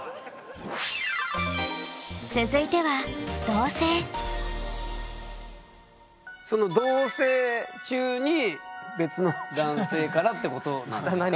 続いてはその同棲中に「別の男性から」ってことなんですかね？